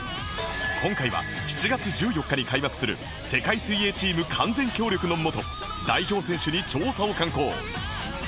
今回は７月１４日に開幕する世界水泳チーム完全協力のもと代表選手に調査を敢行